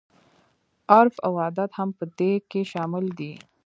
عرف او عادت هم په دې کې شامل دي.